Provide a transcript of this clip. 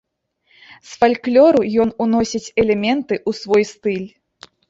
З фальклору ён уносіць элементы ў свой стыль.